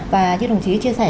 và như đồng chí chia sẻ